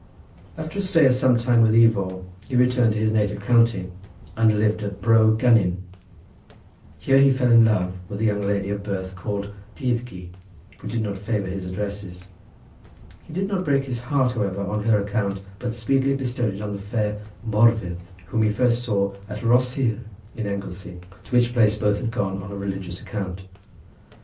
After a stay of some time with Ifor he returned to his native county and lived at Bro Gynnin. Here he fell in love with a young lady of birth called Dyddgu, who did not favour his addresses. He did not break his heart, however, on her account, but speedily bestowed it on the fair Morfudd, whom he first saw at Rhosyr in Anglesey, to which place both had gone on a religious account.